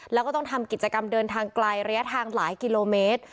แล้วก็ต้องทำกิจกรรมเดินทางไกลระยะทางหลายกิโลเมตร